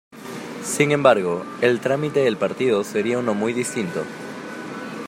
Sin embargo, el "trámite del partido" sería uno muy distinto.